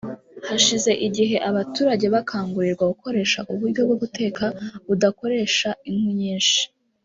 Hashize igihe abaturage bakangurirwa gukoresha uburyo bwo guteka budakoresha inkwi nyinshi